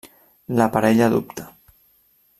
La parella dubta.